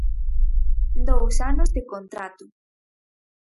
Dous anos de contrato.